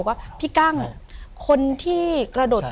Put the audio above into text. อเรนนี่แกร่งอเรนนี่แกร่ง